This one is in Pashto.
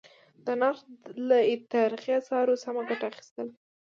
د نرخ له تاريخي آثارو سمه گټه اخيستل: